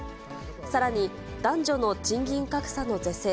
さらに、男女の賃金格差の是正